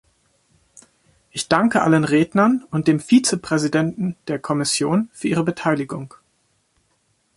Ich danke allen Rednern und dem Vizepräsidenten der Kommission für ihre Beteiligung.